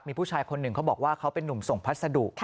มีผู้ชายคนหนึ่งเขาบอกว่าเขาเป็นนุ่มส่งพัสดุ